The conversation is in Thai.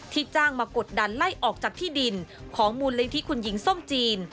จ้างมากดดันไล่ออกจากที่ดินของมูลนิธิคุณหญิงส้มจีน